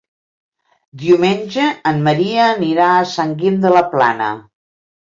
Diumenge en Maria anirà a Sant Guim de la Plana.